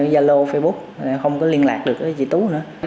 gia lô facebook không có liên lạc được với chị tú nữa